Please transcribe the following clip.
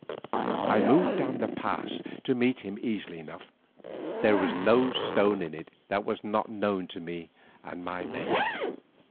I moved down the pass to meet him easily enough; there was no stone in it that was not known to me and my men.